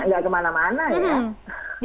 enggak kemana mana ya